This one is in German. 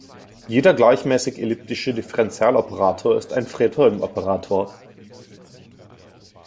Jeder gleichmäßig elliptische Differentialoperator ist ein Fredholm-Operator.